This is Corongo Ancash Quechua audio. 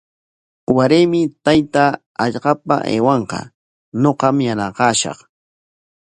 Waraymi taytaa hallqapa aywanqa, ñuqam yanaqashaq.